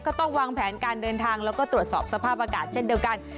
ก็ต้องวางแผนการเดินทางแล้วก็ตรวจสอบสภาพอากาศเช่นเดียวกัน